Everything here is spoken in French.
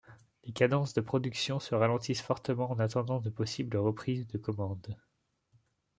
Les cadences de production se ralentissent fortement en attendant de possibles reprises de commandes.